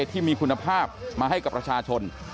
ที่มีคุณภาพมาให้กับประชาชน